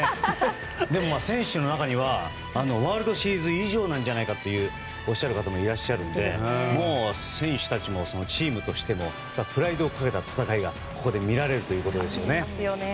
でも、選手の中にはワールドシリーズ以上なんじゃないかとおっしゃる方もいらっしゃるのでもう、選手たちもチームとしてもプライドをかけた戦いがここで見られるということですよね。